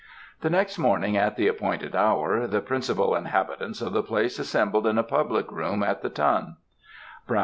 "The next morning, at the appointed hour, the principal inhabitants of the place assembled in a public room at the Tun.